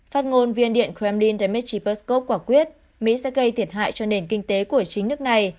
phát ngôn viên điện kremlin dmitry peskov quả quyết mỹ sẽ gây thiệt hại cho nền kinh tế của chính nước này